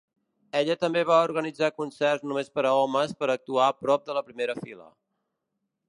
Ella també va organitzar concerts només per a homes per actuar a prop de la primera fila.